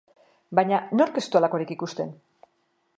Baina, nork ez du halakorik ikusten?